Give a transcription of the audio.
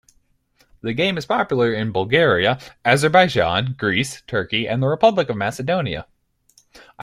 The game is popular in Bulgaria, Azerbaijan, Greece, Turkey and the Republic of Macedonia.